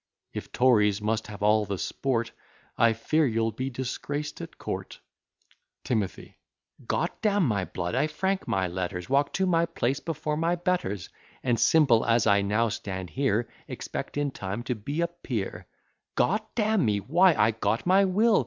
If Tories must have all the sport, I fear you'll be disgraced at court. T. Got? D n my blood! I frank my letters, Walk to my place before my betters; And, simple as I now stand here, Expect in time to be a peer Got? D n me! why I got my will!